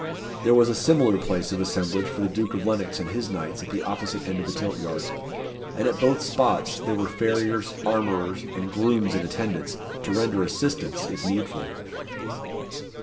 There was a similar place of assemblage for the Duke of Lennox and his knights at the opposite end of the tilt yard; and at both spots there were farriers, armourers, and grooms in attendance, to render assistance, if needful.